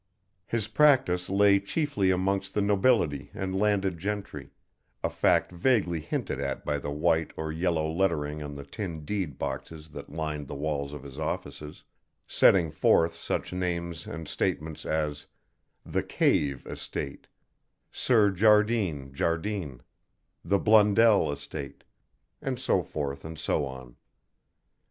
His practice lay chiefly amongst the nobility and landed gentry, a fact vaguely hinted at by the white or yellow lettering on the tin deed boxes that lined the walls of his offices, setting forth such names and statements as: "The Cave Estate," "Sir Jardine Jardine," "The Blundell Estate," and so forth and so on.